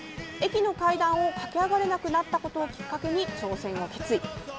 駅の階段を駆け上がれなくなったことをきっかけに挑戦を決意。